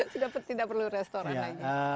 tidak perlu restoran lagi